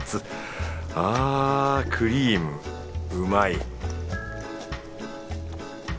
ああクリームうまい